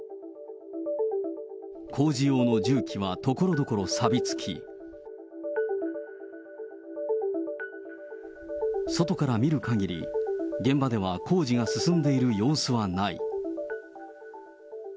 工事用の重機はところどころさび付き、外から見るかぎり、現場では工事が進んでいる様子はない。